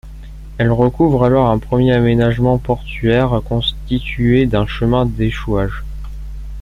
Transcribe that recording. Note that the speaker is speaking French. Elle recouvre alors un premier aménagement portuaire constitué d’un chemin d’échouage.